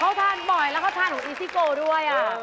เขาทานบ่อยแล้วก็ทานของอีซิโกด้วย